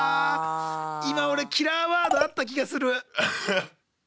今オレキラーワードあった気がする！